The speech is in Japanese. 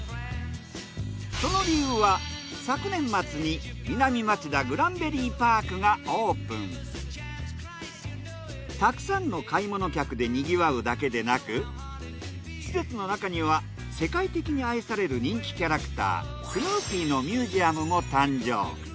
その理由は昨年末にたくさんの買い物客でにぎわうだけでなく施設の中には世界的に愛される人気キャラクタースヌーピーのミュージアムも誕生。